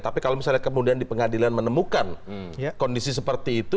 tapi kalau misalnya kemudian di pengadilan menemukan kondisi seperti itu